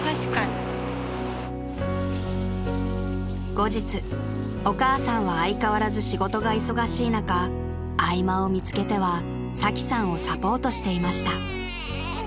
［後日お母さんは相変わらず仕事が忙しい中合間を見つけてはサキさんをサポートしていました］